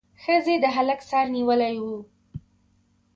ښځې د هلک سر نیولی و.